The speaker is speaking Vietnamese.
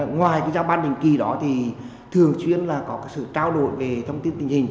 ngoài cái giao ban đình kỳ đó thì thường xuyên là có cái sự trao đổi về thông tin tình hình